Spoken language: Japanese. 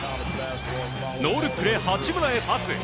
ノールックで八村へパス。